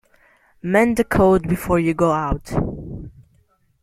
Mend the coat before you go out.